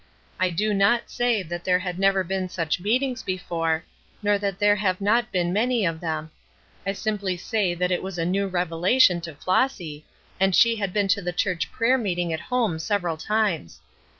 I do not say that there had never been such meetings before, nor that there have not been many of them. I simply say that it was a new revelation to Flossy, and she had been to the church prayer meeting at home several times.